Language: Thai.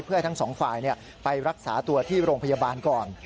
เพื่อให้ทั้งสองฝ่ายไปรักษาตัวที่โรงพยาบาลก่อน